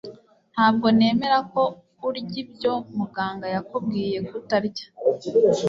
Ntabwo nemera ko urya ibyo muganga yakubwiye kutarya